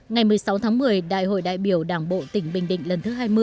ngày một mươi sáu tháng một mươi đại hội đại biểu đảng bộ tỉnh bình định lần thứ hai mươi